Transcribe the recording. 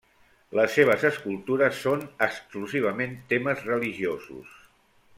Les seves escultures són exclusivament temes religiosos.